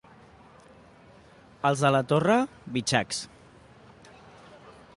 Els de la Torre, bitxacs.